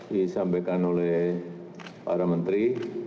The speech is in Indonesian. disampaikan oleh para menteri